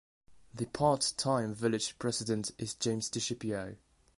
The part-time Village President is James Discipio.